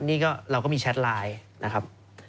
นี่ก็เราก็มีแชทไลน์นะครับ